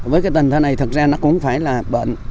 với cái tình thế này thật ra nó cũng phải là bệnh